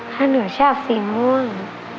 เพราะหนูชอบสีม่วง